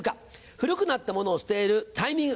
「古くなったものを捨てるタイミング」